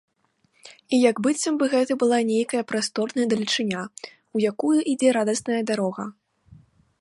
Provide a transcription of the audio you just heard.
І як быццам бы гэта была нейкая прасторная далечыня, у якую ідзе радасная дарога.